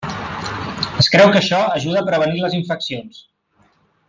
Es creu que això ajuda a prevenir les infeccions.